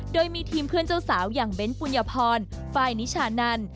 โดยมีทีมเพื่อนเจ้าสาวอย่างเบ้นปุญญพรไฟล์นิชานัน